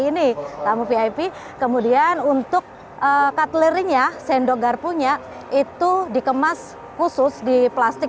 ini tamu vip kemudian untuk katlerinya sendok garpunya itu dikemas khusus di plastik